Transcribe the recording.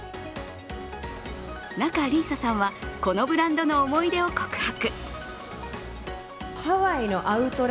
仲里依紗さんは、このブランドの思い出を告白。